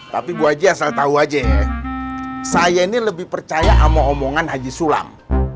tapi gue aja asal tau aja ya saya ini lebih percaya sama omongan haji sulam